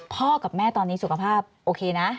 กับแม่ตอนนี้สุขภาพโอเคนะ